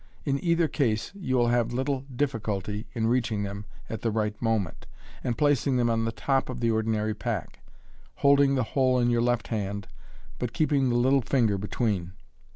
In either case, you will have little difficulty in reaching them at the right moment, and placing them on the top of the ordinary pack, holding the whole in your left hand, but keeping the little finger between.